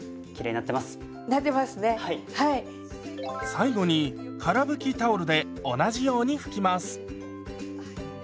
最後にから拭きタオルで同じように拭きます。